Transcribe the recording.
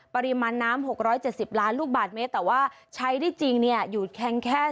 ปริมาณน้ำ๖๗๐ล้านลูกบาทเมตรแต่ว่าใช้ได้จริงเนี่ยอยู่แค่